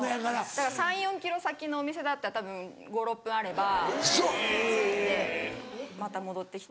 だから３４ｋｍ先のお店だったらたぶん５６分あれば着いてまた戻ってきて。